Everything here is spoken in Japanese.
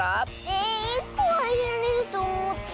え１こはいれられるとおもった。